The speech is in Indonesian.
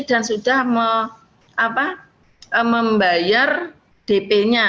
dan sudah membayar dp nya